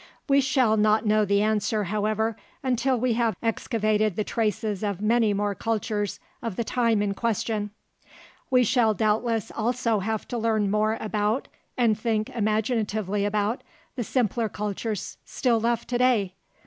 We shall not know the answer, however, until we have excavated the traces of many more cultures of the time in question. We shall doubtless also have to learn more about, and think imaginatively about, the simpler cultures still left today.